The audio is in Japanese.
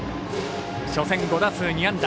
初戦５打数２安打。